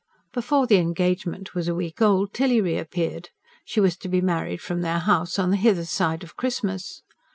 Before the engagement was a week old Tilly reappeared she was to be married from their house on the hither side of Christmas.